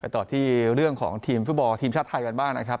ต่อที่เรื่องของทีมฟุตบอลทีมชาติไทยกันบ้างนะครับ